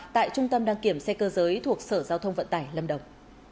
tại trung tâm đăng kiểm xe cơ giới thuộc sở giao thông vận tải lâm đồng